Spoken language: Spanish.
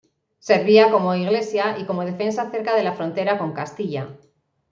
Servía como Iglesia y como defensa cerca de la frontera con Castilla.